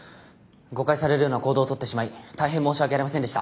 誤解されるような行動を取ってしまい大変申し訳ありませんでした。